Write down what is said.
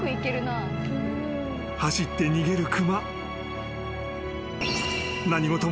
［走って逃げる熊］